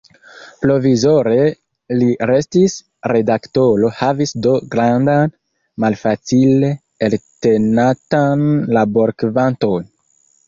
Provizore li restis redaktoro, havis do grandan, malfacile eltenatan laborkvanton.